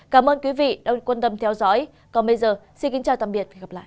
cảm ơn quý vị đang quan tâm theo dõi còn bây giờ xin kính chào tạm biệt và hẹn gặp lại